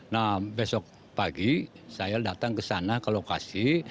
nah besok pagi saya datang ke sana ke lokasi